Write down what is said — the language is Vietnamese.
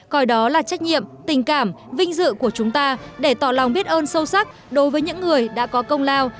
coi đó là trách nhiệm tình cảm vinh dự của chúng ta để tỏ lòng biết ơn sâu sắc đối với những người đã có công lao